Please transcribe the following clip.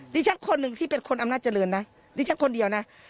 ฉันคนหนึ่งที่เป็นคนอำนาจเจริญนะดิฉันคนเดียวนะ